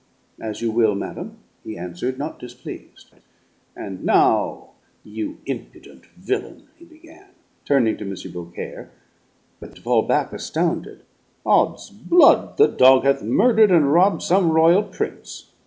"As you will, madam," he answered, not displeased. "And now, you impudent villain," he began, turning to M. Beaucaire, but to fall back astounded. "'Od's blood, the dog hath murdered and robbed some royal prince!"